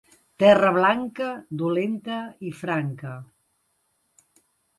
Terra blanca, dolenta i franca.